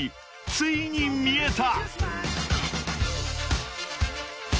ついに見えた！］